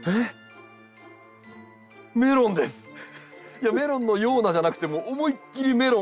いやメロンのようなじゃなくてもう思いっきりメロン。